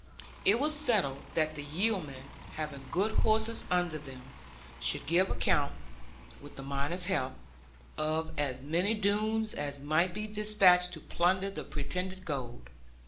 It was settled that the yeomen, having good horses under them, should give account (with the miners' help) of as many Doones as might be despatched to plunder the pretended gold.